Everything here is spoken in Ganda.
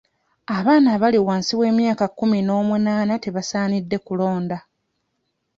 Abaana abali wansi w'emyaka ekkumi n'omunaana tebasaanidde kulonda.